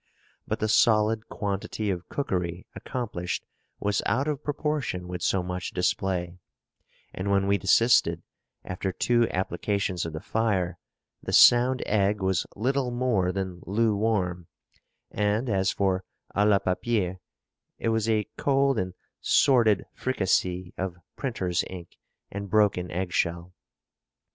But the solid quantity of cookery accomplished was out of proportion with so much display; and when we desisted, after two applications of the fire, the sound egg was little more than loo warm; and as for à la papier, it was a cold and sordid fricassée of printer's ink and broken egg shell.